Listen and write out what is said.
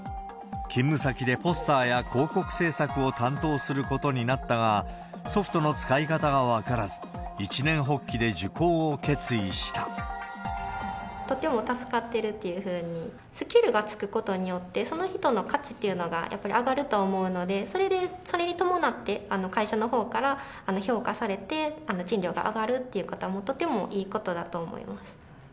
勤務先でポスターや広告製作を担当することになったが、ソフトの使い方が分からず、とても助かってるというふうに、スキルがつくことによって、その人の価値っていうのがやっぱり上がると思うので、それに伴って、会社のほうから評価されて、賃金が上がるということは、とてもいいことだと思います。